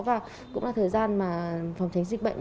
và cũng là thời gian mà phòng tránh dịch bệnh